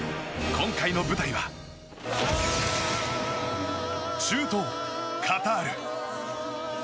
今回の舞台は中東カタール。